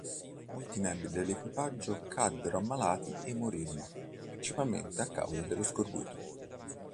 Molti membri dell'equipaggio caddero ammalati e morirono, principalmente a causa dello scorbuto.